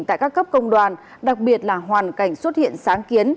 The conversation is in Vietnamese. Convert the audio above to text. tại các cấp công đoàn đặc biệt là hoàn cảnh xuất hiện sáng kiến